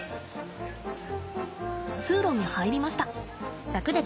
通路に入りました。